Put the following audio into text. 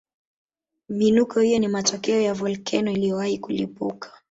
Miinuko hiyo ni matokeo ya volkeno iliyowahi kulipuka